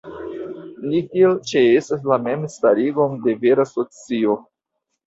Ni tiel ĉeestas "la mem-starigon de vera socio".